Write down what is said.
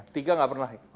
tiga nggak pernah ya